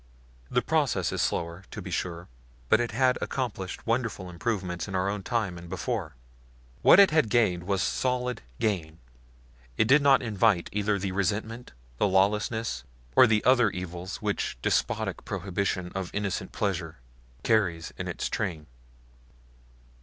The process is slower, to be sure, but it had accomplished wonderful improvement in our own time and before; what it gained was solid gain; and it did not invite either the resentment, the lawlessness, or the other evils which despotic prohibition of innocent pleasure carries in its train.